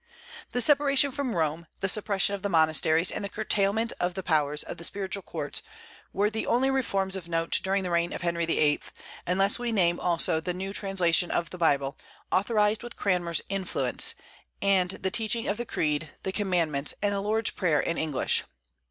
The separation from Rome, the suppression of the monasteries, and the curtailment of the powers of the spiritual courts were the only reforms of note during the reign of Henry VIII., unless we name also the new translation of the Bible, authorized through Cranmer's influence, and the teaching of the creed, the commandments, and the Lord's prayer in English.